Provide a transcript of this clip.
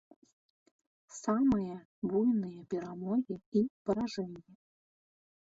Самыя буйныя перамогі і паражэнні.